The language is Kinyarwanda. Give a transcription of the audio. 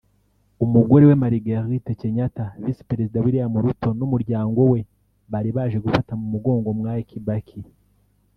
umugore we Marguerite Kenyatta; Visi Perezida William Ruto n’umuryango we bari baje gufata mu mugongo Mwai Kibaki